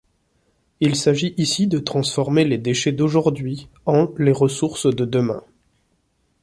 Il s'agit ici de transformer les déchets d'aujourd'hui en les ressources de demain.